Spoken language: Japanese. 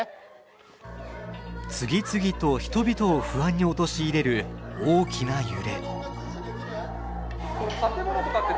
次々と人々を不安に陥れる大きな揺れ。